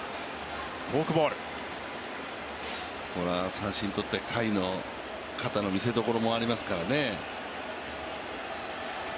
三振を取って、甲斐の肩の見せどころもありますからね。